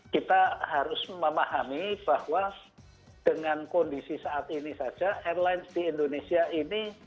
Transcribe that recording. kita harus memahami bahwa dengan kondisi saat ini saja airlines di indonesia ini